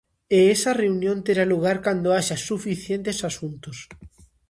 E esa reunión terá lugar cando haxa "suficientes" asuntos.